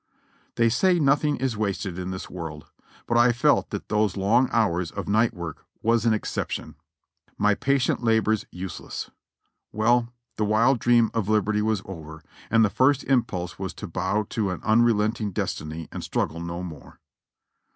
They say nothing is wasted in this world, but I felt that those long hours of night work was an exception. My patient labors useless. Well ! the wild dream of liberty was over ; and the first impulse was to bow to an unrelenting destiny and struggle no more.